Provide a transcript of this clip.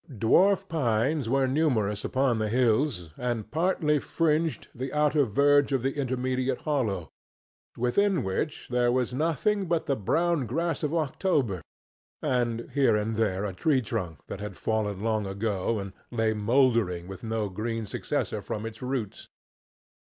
Dwarf pines were numerous upon the hills and partly fringed the outer verge of the intermediate hollow, within which there was nothing but the brown grass of October and here and there a tree trunk that had fallen long ago and lay mouldering with no green successor from its roots.